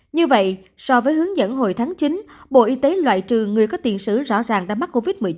như vậy so với hướng dẫn hồi tháng chín bộ y tế loại trừ người có tiền sử rõ ràng đã mắc covid một mươi chín